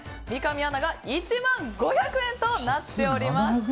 三上アナが１万５００円となっております。